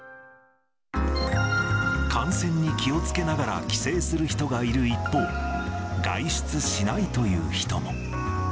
感染に気をつけながら帰省する人がいる一方、外出しないという人も。